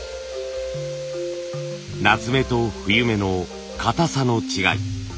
夏目と冬目のかたさの違い。